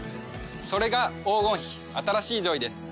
それが黄金比新しいジョイです。